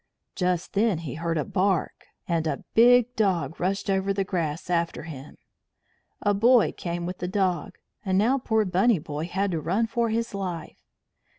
Just then he heard a bark, and a big dog rushed over the grass after him. A boy came with the dog, and now poor Bunny Boy had to run for his life.